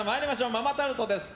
ママタルトです。